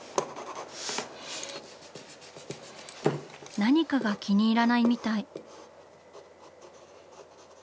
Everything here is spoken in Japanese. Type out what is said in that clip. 何かが気に入らないみたい。